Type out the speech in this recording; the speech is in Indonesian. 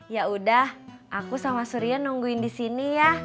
yaudah aku sama surya nungguin di sini ya